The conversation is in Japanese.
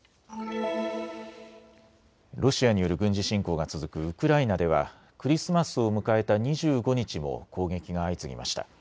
ロシアによる軍事侵攻が続くウクライナではクリスマスを迎えた２５日も攻撃が相次ぎました。